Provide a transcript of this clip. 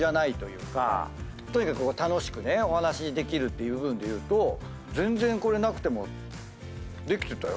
とにかく楽しくお話しできるっていう部分でいうと全然これなくてもできてたよ。